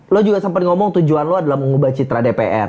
lo juga sempat ngomong tujuan lo adalah mengubah citra dpr